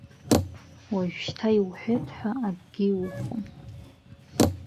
Уажәшьҭа иуҳәеит ҳәа акгьы иухәом.